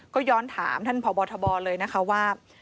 ก็ย้อนถามท่านพบทบเลยนะคะว่า